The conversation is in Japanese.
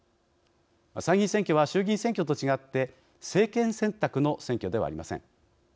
参議院選挙は衆議院選挙と違って政権選択の選挙ではありません。